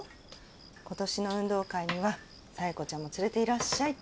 今年の運動会には左枝子ちゃんも連れていらっしゃいって。